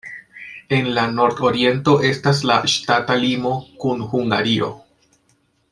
En la nordoriento estas la ŝtata limo kun Hungario.